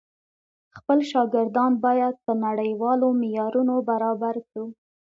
خپل شاګردان بايد په نړيوالو معيارونو برابر کړو.